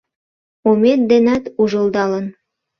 Омет денат ужылдалын